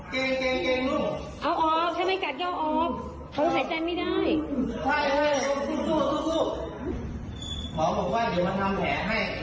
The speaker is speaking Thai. หมอบอกว่าเดี๋ยวมันทำแผงให้แล้วเกร็งยังไง